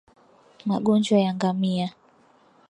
Magonjwa ya Ngamia